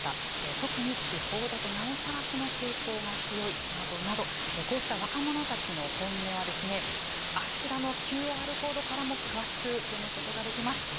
特に地方だとなおさらその傾向が強いなどこうした若者たちの本音はあちらのＱＲコードからも詳しく読むことができます。